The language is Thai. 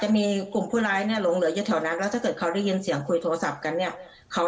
จะมีกลุ่มผู้ร้ายเรียงเหลือกินเสียงคุยโทรศัพท์กันเนี่ยเขา